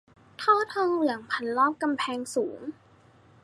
ท่อทองเหลืองพันรอบกำแพงสูง